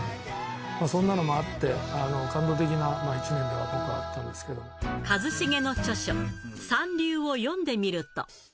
そんなのもあって、感動的な一年一茂の著書、三流を読んでみると。